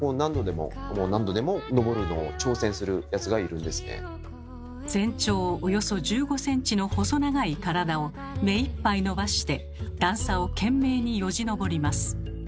なのですがウナギは全長およそ１５ｃｍの細長い体をめいっぱい伸ばして段差を懸命によじ登ります。